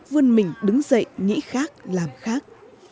vươn mình đứng dậy nghĩ khác làm khác